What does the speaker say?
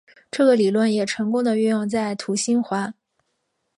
这个理论也成功的运用在土星环。